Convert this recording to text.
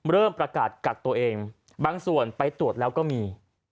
เริ่มประกาศกักตัวเองบางส่วนไปตรวจแล้วก็มี